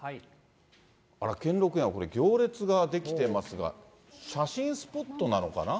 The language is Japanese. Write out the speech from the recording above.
あら、兼六園は、これ、行列が出来てますが、写真スポットなのかな？